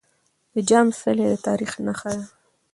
د جام څلی د تاريخ نښه ده.